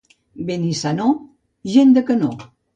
Benissanó, gent de canó.